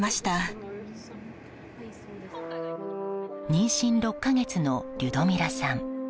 妊娠６か月のリュドミラさん。